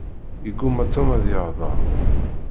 Yegguma Tom ad yeheder.